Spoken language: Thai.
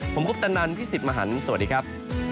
ผมคุปตะนันพี่สิทธิ์มหันฯสวัสดีครับ